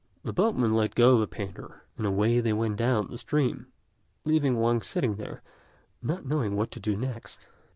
The boatman let go the painter, and away they went down stream, leaving Wang sitting there, not knowing what to do next.